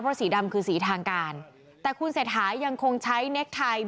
สีดำคือสีทางการแต่คุณเศรษฐายังคงใช้เน็กไทย